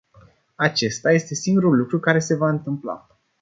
Acesta este singurul lucru care se va întâmpla.